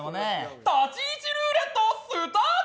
立ち位置ルーレット、スタート！